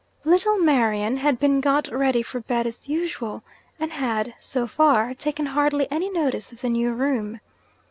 Little Marian had been got ready for bed as usual, and had (so far) taken hardly any notice of the new room.